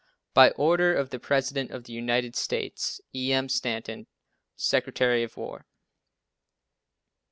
By order of the President of the United States. E. M. Stanton, Secretary of War."